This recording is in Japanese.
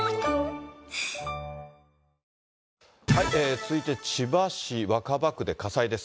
続いて千葉市若葉区で火災です。